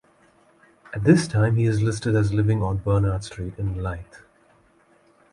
At this time he is listed as living on Bernard Street in Leith.